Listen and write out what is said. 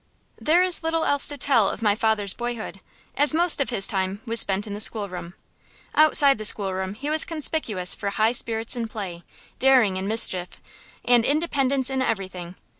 There is little else to tell of my father's boyhood, as most of his time was spent in the schoolroom. Outside the schoolroom he was conspicuous for high spirits in play, daring in mischief, and independence in everything.